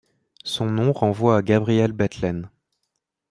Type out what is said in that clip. Son nom renvoie à Gabriel Bethlen.